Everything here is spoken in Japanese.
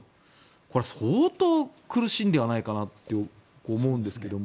これは相当苦しいのではないかなと思うんですけど。